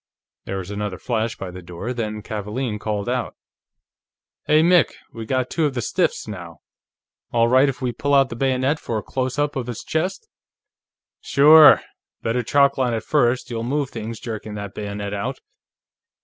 There was another flash by the door, then Kavaalen called out: "Hey, Mick; we got two of the stiffs, now. All right if we pull out the bayonet for a close up of his chest?" "Sure. Better chalkline it, first; you'll move things jerking that bayonet out."